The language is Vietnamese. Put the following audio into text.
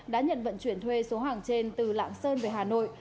đã nhận vận chuyển thuê số hàng trên từ lạng sơn về hà nội